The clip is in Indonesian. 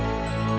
gue sama bapaknya